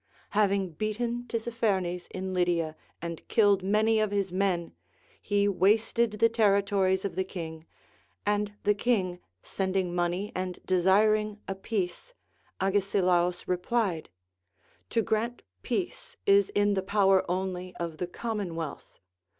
Having beaten Tissaphernes in Lydia and killed many of his men, he wasted the territories of the king ; and the king sending money and desiring a peace, Agesilaus replied : To grant peace is in the power only of the commonwealth.